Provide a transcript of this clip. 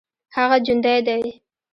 هغه جوندى دى.